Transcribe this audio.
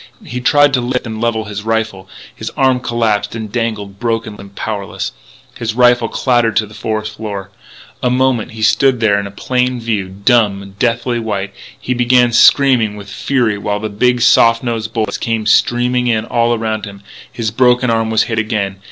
He tried to lift and level his rifle; his arm collapsed and dangled broken and powerless; his rifle clattered to the forest floor. For a moment he stood there in plain view, dumb, deathly white; then he began screaming with fury while the big, soft nosed bullets came streaming in all around him. His broken arm was hit again.